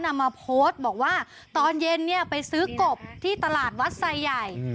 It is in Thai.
นำมาโพสต์บอกว่าตอนเย็นเนี่ยไปซื้อกบที่ตลาดวัดไซใหญ่